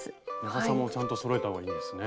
長さもちゃんとそろえた方がいいんですね。